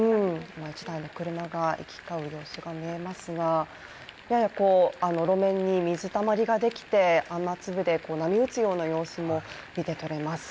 １台の車が行き交う様子が見えますがやや路面に水たまりができて雨粒で波打つような様子も見てとれます。